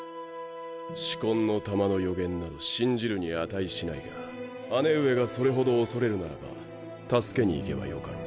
四魂の玉の予言など信じるに値しないが姉上がそれほど恐れるならば助けに行けばよかろう？